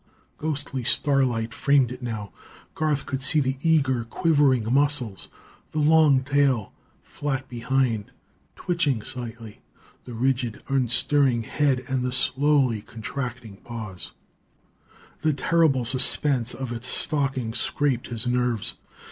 Ghostly starlight framed it now; Garth could see the eager, quivering muscles, the long tail, flat behind, twitching slightly, the rigid, unstirring head and the slowly contracting paws. The terrible suspense of its stalking scraped his nerves.